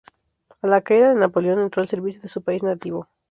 A la caída de Napoleón entró al servicio de su país nativo.